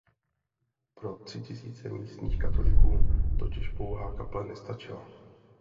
Pro tři tisíce místních katolíků totiž pouhá kaple nestačila.